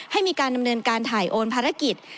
ให้มีการดำเนินการถ่ายโอนภารกิจ